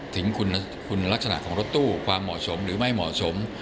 ถึงคุณลักษณะของรถตู้ความเหมาะสมหรือไม่เหมาะสม